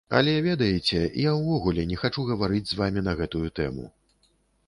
Але ведаеце, я ўвогуле не хачу гаварыць з вамі на гэтую тэму.